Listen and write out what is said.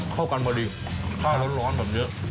เข้ากันพอดีข้าวร้อนเหมือนเยอะ